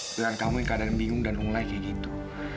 dengan kamu yang keadaan bingung dan unglai kayak gitu